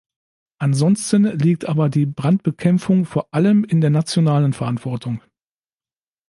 Ansonsten liegt aber die Brandbekämpfung vor allem in der nationalen Verantwortung.